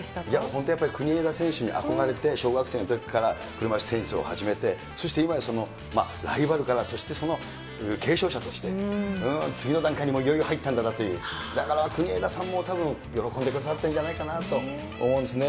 本当やっぱり国枝選手に憧れて、小学生のときから車いすテニスを始めて、そして今やその、ライバルからそしてその継承者として次の段階にいよいよ入ったんだなという、だから国枝さんもたぶん喜んでくださってるんじゃないかなと思うんですね。